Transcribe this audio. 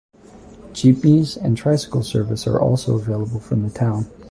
Jeepneys and tricycle service are also available from the town.